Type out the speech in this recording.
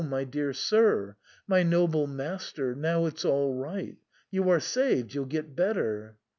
my dear sir ! my noble master ! now it's all right ; you are saved, you'll get better."